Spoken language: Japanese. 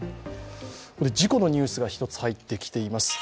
事故のニュースが１つ入ってきています。